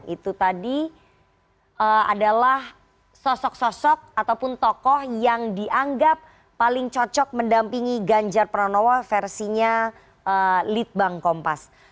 itu tadi adalah sosok sosok ataupun tokoh yang dianggap paling cocok mendampingi ganjar pranowo versinya litbang kompas